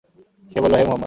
সে বলল, হে মুহাম্মদ!